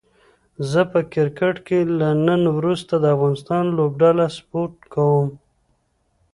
زه په کرکټ کې له نن وروسته د افغانستان لوبډله سپوټ کووم